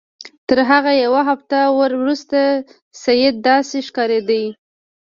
تر هغه یوه هفته وروسته سید داسې ښکارېده.